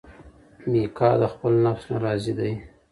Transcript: میکا د خپل نفس نه راضي دی.